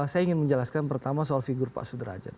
saya ingin menjelaskan pertama soal figur pan itu adalah